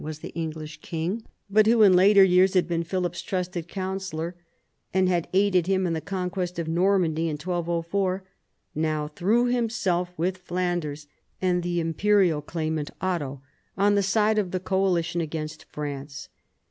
was the English king, but who in later years had been Philip's trusted counsellor, and had aided him in the conquest of Normandy in 1204, now threw himself with Flanders, and the imperial claimant Otto, on the side of the coalition against France.